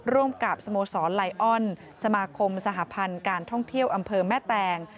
ร่วมกับสโมสรไลออนสมาคมสหพันธ์การท่องเที่ยวอำเภอแม่แตง